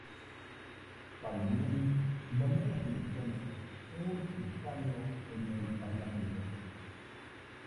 Palmieri ganó en las elecciones un escaño en el parlamento.